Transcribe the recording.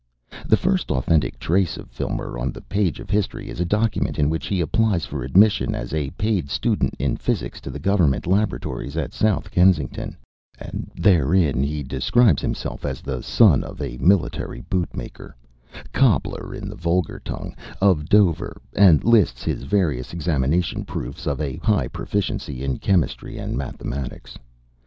The first authentic trace of Filmer on the page of history is a document in which he applies for admission as a paid student in physics to the Government laboratories at South Kensington, and therein he describes himself as the son of a "military bootmaker" ("cobbler" in the vulgar tongue) of Dover, and lists his various examination proofs of a high proficiency in chemistry and mathematics.